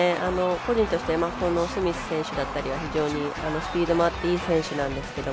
個人としてスミス選手だったりは非常にスピードもあっていい選手なんですけど